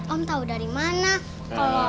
om tau dari mana kalo